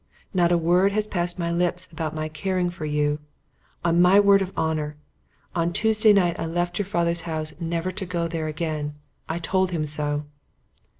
Not a word has passed my lips about my caring for you. On my word of honour. On Tuesday night I left your father's house never to go there again. I told him so."